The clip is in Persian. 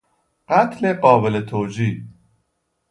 قتل قابل توجیه